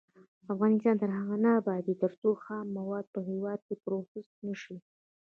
افغانستان تر هغو نه ابادیږي، ترڅو خام مواد په هیواد کې پروسس نشي.